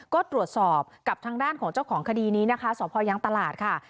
ก็ตรวจสอบกับทางด้านของเจ้าของคดีนี้นะคะสพยังตลาดค่ะ